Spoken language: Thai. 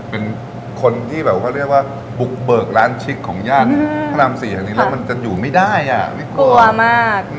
เป็นคนที่แบบว่าเรียกว่าบุกเบิกร้านชิคของญาติพระรามสี่แห่งนี้แล้วมันจะอยู่ไม่ได้อ่ะ